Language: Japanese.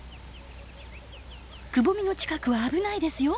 くぼみの近くは危ないですよ。